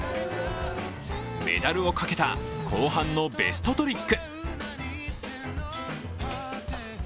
メダルをかけた後半のベストトリック。